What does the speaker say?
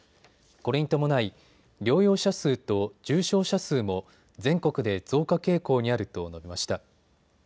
これに伴い、療養者数と重症者数も全国で増加傾向にあると述べました。